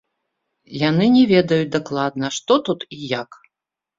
Яны не ведаюць дакладна, што тут і як.